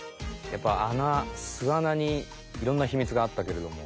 やっぱ穴巣穴にいろんなヒミツがあったけれども。